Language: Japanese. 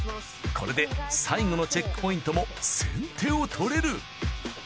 これで最後のチェックポイントも先手を取れる。